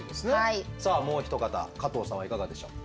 もうひと方加藤さんはいかがでしょう？